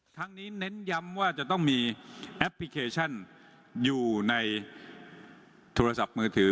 ทั้งนี้เน้นย้ำว่าจะต้องมีแอปพลิเคชันอยู่ในโทรศัพท์มือถือ